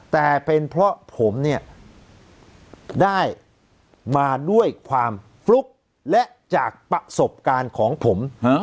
แต่เป็นเพราะผมเนี่ยได้มาด้วยความฟลุกและจากประสบการณ์ของผม